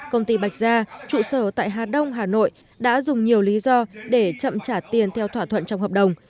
công ty bạch gia trụ sở tại hà đông hà nội đã dùng nhiều lý do để chậm trả tiền theo thỏa thuận trong hợp đồng